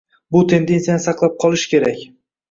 Bu tendentsiyani saqlab qolish kerak